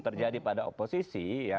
terjadi pada oposisi